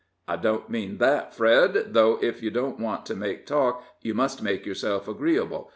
"I don't mean that, Fred, though, if you don't want to make talk, you must make yourself agreeable.